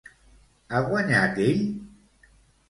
Ha guanyat ell?